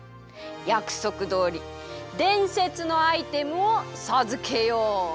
やくそくどおりでんせつのアイテムをさずけよう。